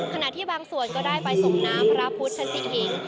ขณะที่บางส่วนก็ได้ไปส่งน้ำพระพุทธสิหิง